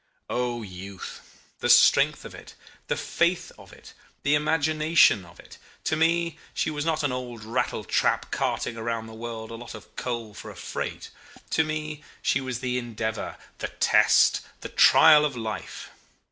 "O youth! The strength of it, the faith of it, the imagination of it! To me she was not an old rattle trap carting about the world a lot of coal for a freight to me she was the endeavour, the test, the trial of life.